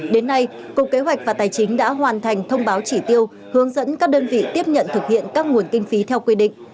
đến nay cục kế hoạch và tài chính đã hoàn thành thông báo chỉ tiêu hướng dẫn các đơn vị tiếp nhận thực hiện các nguồn kinh phí theo quy định